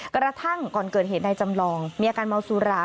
กระทั่งก่อนเกิดเหตุนายจำลองมีอาการเมาสุรา